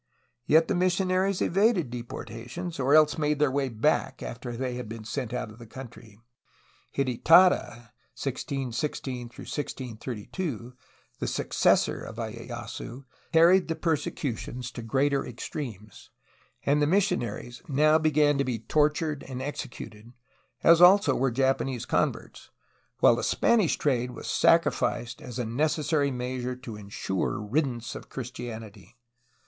Yet the THE JAPANESE OPPORTUNITY IN THE PACIFIC 41 missionaries evaded deportations, or else made their way back after they had been sent out of the country. Hidetada (1616 1632), the successor of lyeyasu, carried the persecu tion to greater extremes, and the missionaries now began to be tortured and executed, as also were Japanese converts, while the Spanish trade was sacrificed as a necessary measure to ensure riddance of Christianity.